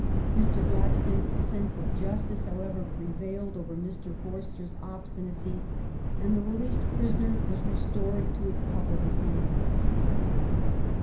Mr. Gladstone s sense of justice, however, prevailed over Mr. Forster s obstinacy, and the released pris oner was restored to his public appointments.